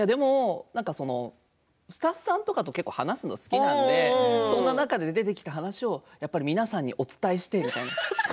スタッフさんとかと結構話すのが好きなのでその中で出てきた話を皆さんにお伝えしてみたいな。